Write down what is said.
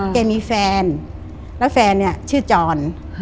แกมีแฟนแล้วแฟนเนี่ยชื่อจร